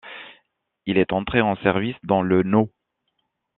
Il est entré en service dans le No.